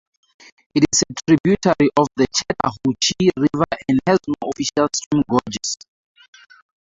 It is a tributary of the Chattahoochee River and has no official stream gauges.